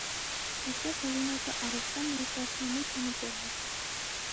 Այստեղ հեղինակը առարկան ներկայացնում է մի քանի կողմից։